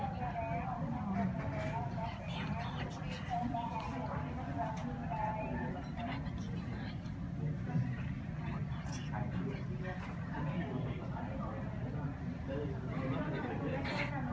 มันกำลังมากินหนึ่งร้อย